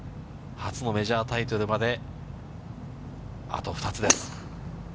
初のメジャータイトルまで、あと２つです。